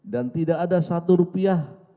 dan tidak ada satu rupiah